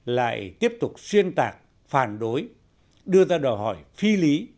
lại tiếp tục xuyên tạc phản đối đưa ra đòi hỏi phi lý